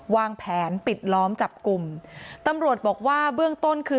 วางแผนปิดล้อมจับกลุ่มตำรวจบอกว่าเบื้องต้นคือ